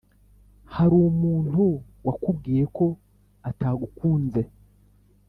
harumuntu wakubwiye ko atagukunze"